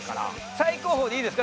最高峰でいいですか？